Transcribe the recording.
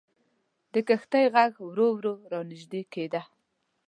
د کښتۍ ږغ ورو ورو را نژدې کېده.